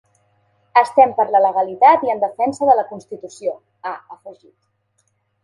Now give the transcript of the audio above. Estem per la legalitat i en defensa de la constitució, ha afegit.